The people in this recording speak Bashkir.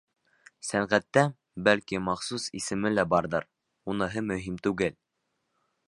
Сәнғәттә, бәлки, махсус исеме лә барҙыр — уныһы мөһим түгел.